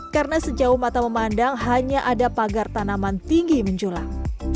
karena sejauh mata memandang hanya ada pagar tanaman tinggi menjulang